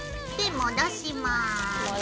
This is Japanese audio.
戻します。